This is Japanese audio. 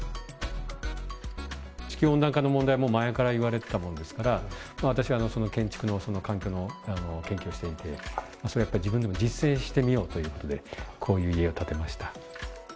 地球温暖化の問題も前からいわれてたものですから、私はその建築の環境の研究をしていて、自分でも実践してみようということで、こういう家を建てました。